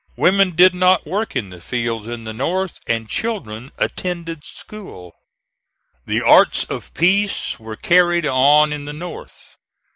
Women did not work in the fields in the North, and children attended school. The arts of peace were carried on in the North.